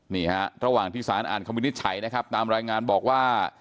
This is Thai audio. นี่ฮะระหว่างที่สารอ่านคำวินิจฉัยนะครับตามรายงานบอกว่า